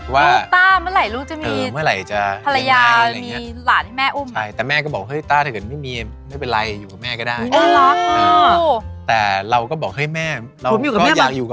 ว่าเมื่อไหร่ลูกจะมีภรรยาเดี๋ยวเอาใหม่อุ้ม